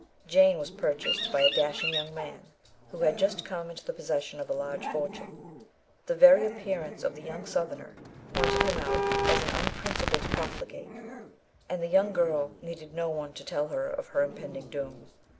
Jane was purchased by a dashing young man, who had just come into the possession of a large fortune. The very appearance of the young Southerner pointed him out as an unprincipled profligate; and the young girl needed no one to tell her of her impending doom.